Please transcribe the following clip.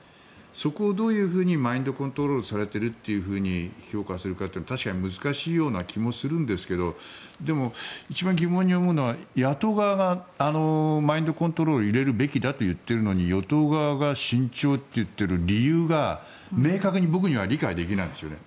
そこを、どういうふうにマインドコントロールがされていると評価するかというと難しいような気もするんですけどでも一番疑問に思うのは野党側がマインドコントロールを入れるべきだと言っているのに与党側が慎重といっている理由が明確に僕には理解できないんですよね。